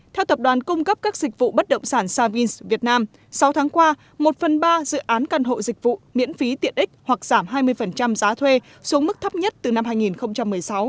theo tập đoàn cung cấp các dịch vụ bất động sản savings việt nam sáu tháng qua một phần ba dự án căn hộ dịch vụ miễn phí tiện ích hoặc giảm hai mươi giá thuê xuống mức thấp nhất từ năm hai nghìn một mươi sáu